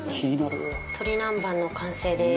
鶏南蛮の完成です。